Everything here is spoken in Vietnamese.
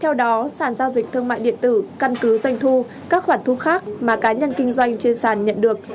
theo đó sản giao dịch thương mại điện tử căn cứ doanh thu các khoản thu khác mà cá nhân kinh doanh trên sàn nhận được